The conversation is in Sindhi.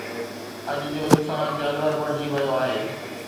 اڄ جو انسان جانور بڻجي ويو آهي